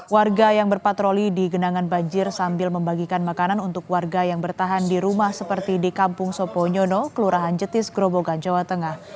warga yang berpatroli di genangan banjir sambil membagikan makanan untuk warga yang bertahan di rumah seperti di kampung soponyono kelurahan jetis gerobogan jawa tengah